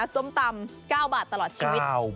ส้มตำ๙บาทตลอดชีวิต